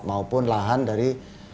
maupun lahan dari